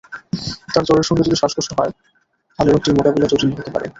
তবে জ্বরের সঙ্গে যদি শ্বাসকষ্ট হয়, তাহলে রোগটির মোকাবিলা জটিল হতে পারে।